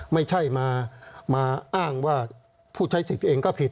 ไม่ใช่มาอ้างว่าผู้ใช้สิทธิ์เองก็ผิด